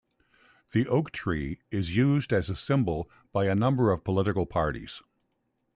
The oak tree is used as a symbol by a number of political parties.